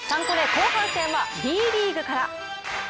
後半戦はＢリーグから。